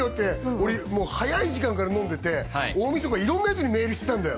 俺もう早い時間から飲んでて大みそかいろんなやつにメールしてたんだよ